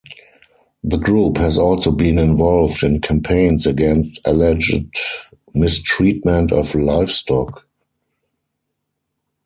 The group has also been involved in campaigns against alleged mistreatment of livestock.